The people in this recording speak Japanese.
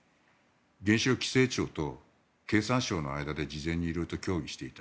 原子力規制庁と経産省の間で事前に色々と協議していた。